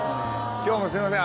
今日もすいません